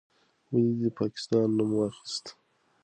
ولې دې د پاکستان نوم واخیست؟